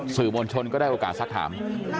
สื่อมวลชนก็ได้โอกาสสักถาม